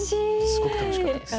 すごく楽しかったです。